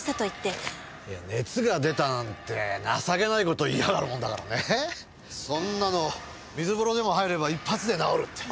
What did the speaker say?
熱が出たなんて情けない事を言いやがるもんだからねそんなの水風呂でも入れば一発で治るって。